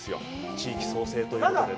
地域創生ということでね。